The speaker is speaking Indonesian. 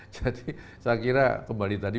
jadi saya kira kembali tadi